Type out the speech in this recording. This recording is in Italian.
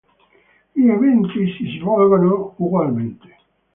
Gli eventi si svolgono ugualmente.